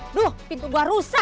aduh pintu gue rusak